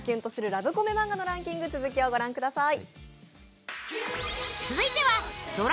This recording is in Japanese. ラブコメマンガ」のランキング、続きを御覧ください。